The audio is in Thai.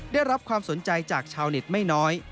ได้รับความสนใจจากชาวเน็ตไม่น้อย